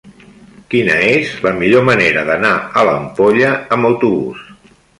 Quina és la millor manera d'anar a l'Ampolla amb autobús?